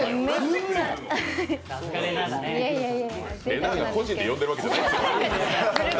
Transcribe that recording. れなぁが個人で呼んでいるわけじゃないんですよ。